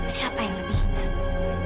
siapa yang lebih hina